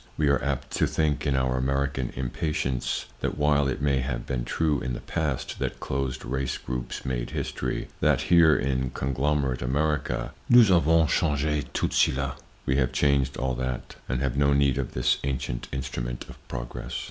We are apt to think in our American impatience, that while it may have been true in the past that closed race groups made history, that here in conglomerate America nous avons changer tout cela—we have changed all that, and have no need of this ancient instrument of progress.